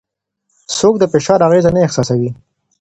څوک د فشار اغېزه نه احساسوي؟